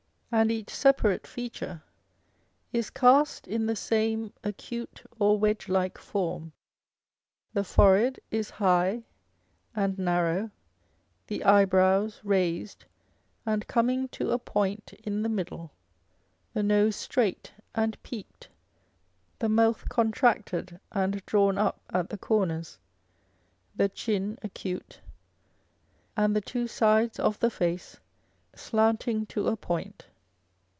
403 and each separate feature is cast in the same acute or wedge like form. The forehead is high and narrow, the eyebrows raised and coming to a point in the middle, the nose straight and peaked, the mouth contracted and drawn up at the corners, the chin acute, and the two sides of the face slanting to a point.